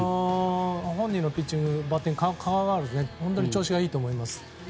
本人のピッチングバッティングは変わらず本当に調子がいいと思います。